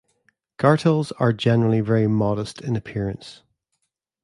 Gartels are generally very modest in appearance.